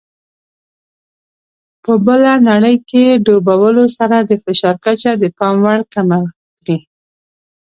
په بله نړۍ کې ډوبولو سره د فشار کچه د پام وړ کمه کړي.